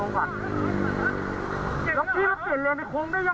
มันก็มีรถคลุกรับอ่ะมีรถคลุกรับอ่ะ